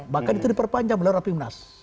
bahkan itu diperpanjang melalui rapimnas